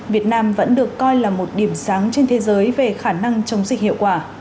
việt nam vẫn được coi là một điểm sáng trên thế giới về khả năng chống dịch hiệu quả